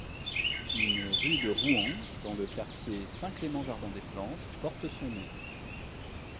Une rue de Rouen dans le quartier Saint-Clément - Jardin-des-Plantes porte son nom.